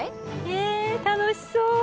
え楽しそう。